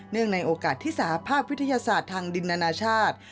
ในโอกาสที่สหภาพวิทยาศาสตร์ทางดินอนาชาติ